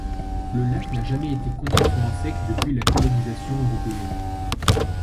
Le lac n'a jamais été complètement à sec depuis la colonisation européenne.